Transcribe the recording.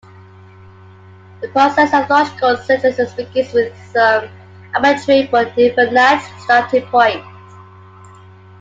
The process of logical synthesis begins with some arbitrary but definite starting point.